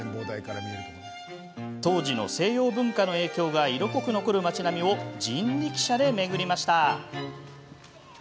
当時の西洋文化の影響が色濃く残る町並みを人力車で巡りました。